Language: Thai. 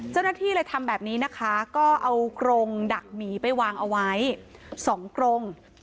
เจ้าหน้าที่เลยทำแบบนี้นะคะก็เอากรงดักหมีไปวางเอาไว้๒กรง